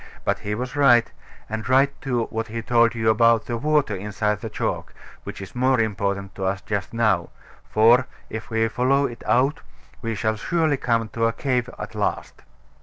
But he was right; and right, too, what he told you about the water inside the chalk, which is more important to us just now; for, if we follow it out, we shall surely come to a cave at last.